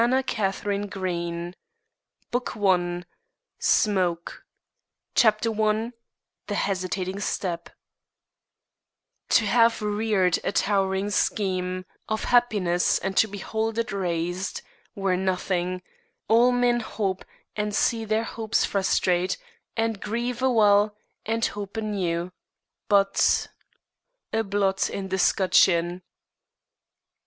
THE SURCHARGED MOMENT BOOK ONE SMOKE I THE HESITATING STEP To have reared a towering scheme Of happiness, and to behold it razed, Were nothing: all men hope, and see their hopes Frustrate, and grieve awhile, and hope anew; But _A Blot in the 'Scutcheon.